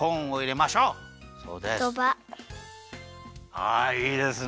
はいいいですね。